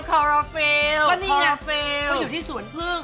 ก็นี่เนี่ยเขาอยู่ที่สวนพึ่ง